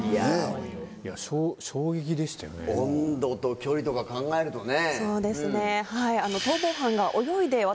温度と距離とか考えるとね。